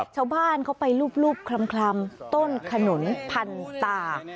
ชาวบ้านเขาไปรูปคลำต้นขนุนพันตา